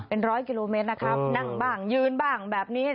เป็นร้อยกิโลเมตรนะครับนั่งบ้างยืนบ้างแบบนี้